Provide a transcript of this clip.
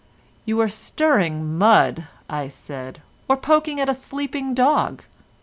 "You are stirring mud," said I, "or poking at a sleeping dog.